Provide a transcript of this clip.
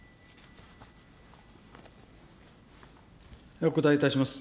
お答えいたします。